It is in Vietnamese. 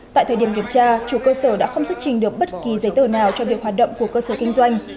tại thời điểm kiểm tra chủ cơ sở đã không xuất trình được bất kỳ giấy tờ nào cho việc hoạt động của cơ sở kinh doanh